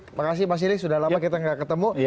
terima kasih mas sili sudah lama kita nggak ketemu